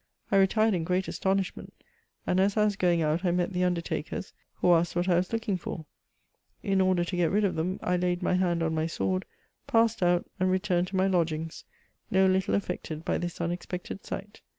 I retired in great astonish ment ; and, as I was going out, I met the undertakers, who asked what I was looking for ; in order to get rid of them, I laid my hand on my sword, passed out, and returned to my lodgings, no little affected by this unexpected sight."